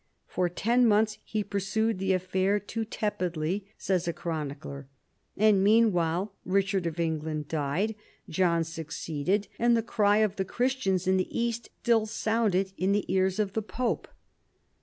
For ten months he pursued the affair too tepidly, says a chroni cler. And meanwhile Richard of England died, John succeeded, and the cry of the Christians in the East still sounded in the ears of the pope.